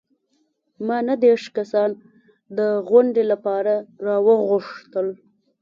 ما نهه دیرش کسان د غونډې لپاره راوغوښتل.